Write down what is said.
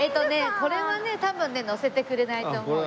これはね多分ね乗せてくれないと思うよ。